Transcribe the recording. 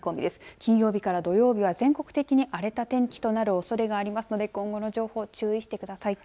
金曜日から土曜日は全国的に荒れた天気となるおそれがありますので今後の情報、注意してください。